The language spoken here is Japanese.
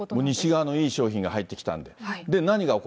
西側のいい商品が入ってきたんで。